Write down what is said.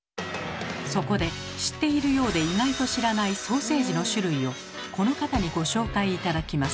そこで知っているようで意外と知らないソーセージの種類をこの方にご紹介頂きます。